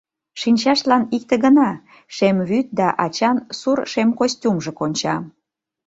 Шинчаштлан икте гына — шем вӱд да ачан сур-шем костюмжо — конча.